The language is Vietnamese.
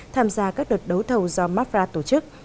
tham gia các đợt đấu thầu do mafra tổ chức